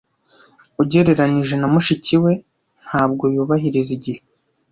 Ugereranije na mushiki we, ntabwo yubahiriza igihe.